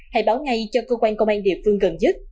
hãy báo ngay cho cơ quan công an địa phương gần nhất